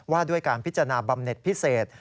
ว่าด้วยการพิจารณาบำเน็ตพิเศษ